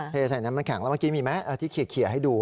เทใส่น้ำมันแข็งแล้วเมื่อกี้มีแม้เอ่อที่เขียนเขียนให้ดูอ่ะ